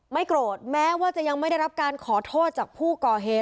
โกรธแม้ว่าจะยังไม่ได้รับการขอโทษจากผู้ก่อเหตุ